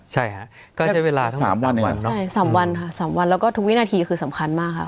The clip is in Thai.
ใช่๓วันค่ะ๓วันแล้วก็ทุกวินาทีคือสำคัญมากค่ะ